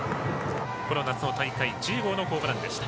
夏の大会１０号のホームランでした。